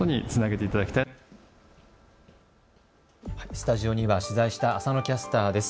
スタジオには取材した浅野キャスターです。